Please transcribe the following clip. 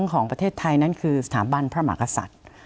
ของประเทศไทยนั้นคือสถาบันพระมหากษัตริย์